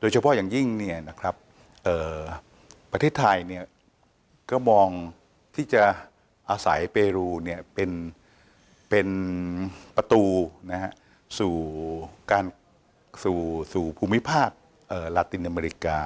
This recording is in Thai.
โดยเฉพาะอย่างยิ่งนะครับประเทศไทยเนี่ยก็มองที่จะอาศัยเปลูเป็นประตูสู่ภูมิภาคลาตินอเมริกา